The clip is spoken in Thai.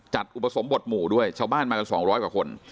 อุปสมบทหมู่ด้วยชาวบ้านมากัน๒๐๐กว่าคน